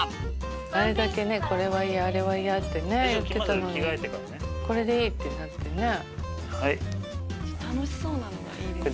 あれだけねこれは嫌あれは嫌ってね言ってたのにこれでいいってなってね。